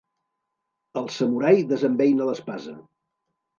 El samurai desembeina l'espasa.